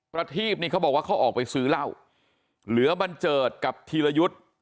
ประทีบนี่เขาบอกว่าเขาออกไปซื้อเหล้าเหลือบันเจิดกับธีรยุทธ์